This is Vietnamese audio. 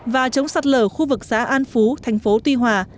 và chống sạt lở khu vực xã an phú thành phố tuy hòa